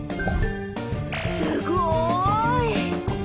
すごい！